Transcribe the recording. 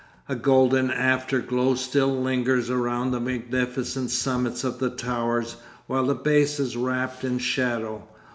A golden after glow still lingers around the magnificent summits of the towers, while the base is wrapped in shadow.